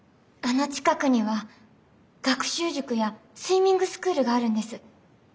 あの近くには学習塾やスイミングスクールがあるんです。